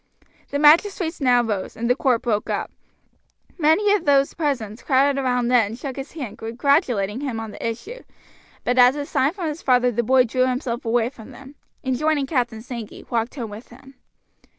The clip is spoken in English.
The magistrates now rose, and the court broke up. Many of those present crowded round Ned and shook his hand, congratulating him on the issue; but at a sign from his father the boy drew himself away from them, and joining Captain Sankey, walked home with him.